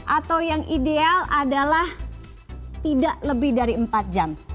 atau yang ideal adalah tidak lebih dari empat jam